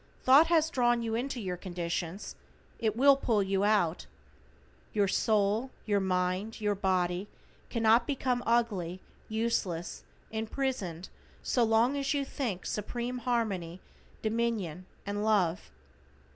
Thought has drawn you into your conditions, it will pull you out. Your Soul, your Mind, your Body cannot become ugly, useless, imprisoned so long as you think supreme harmony, dominion, and love.